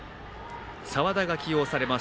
澤田が起用されます。